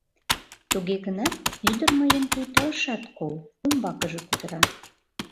Туге гынат ӱдыр мыйым пуйто ышат кол, умбакыже кутыра: